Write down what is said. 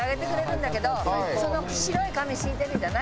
白い紙敷いてるじゃない？